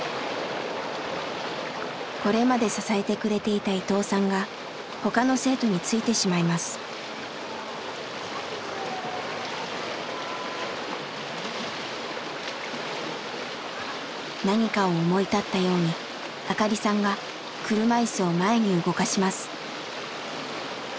これまで支えてくれていた伊藤さんが他の生徒についてしまいます。何かを思い立ったように明香里さんが車いすを前に動かします。